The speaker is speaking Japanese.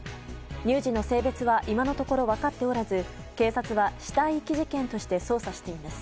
乳児の性別は今のところ分かっておらず警察は死体遺棄事件として捜査しています。